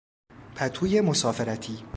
پتوی مسافرتی